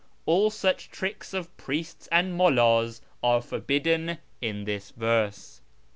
All such tricks of priests and mullds are forbidden in this verse."